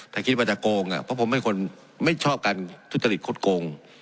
ถ้าคิดว่าจะโกงเพราะผมเป็นคนไม่ชอบการทุจริตคดโกง